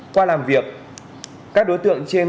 qua làm việc các đối tượng trên